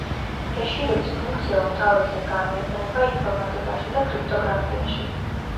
ჰეშირების ფუნქცია უმთავრესად გამოიყენება ინფორმატიკაში და კრიპტოგრაფიაში.